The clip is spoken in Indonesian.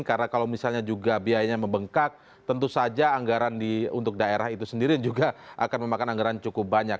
karena kalau misalnya juga biayanya membengkak tentu saja anggaran untuk daerah itu sendiri juga akan memakan anggaran cukup banyak